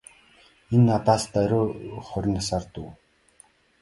Энэ надаас даруй хорин насаар дүү.